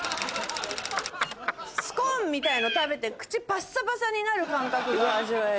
スコーンみたいの食べて口パッサパサになる感覚が味わえる。